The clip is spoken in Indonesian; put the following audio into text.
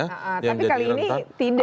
tapi kali ini tidak